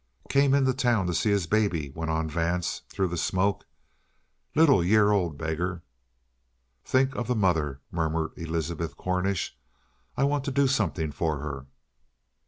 "Came into town to see his baby," went on Vance through the smoke. "Little year old beggar!" "Think of the mother," murmured Elizabeth Cornish. "I want to do something for her."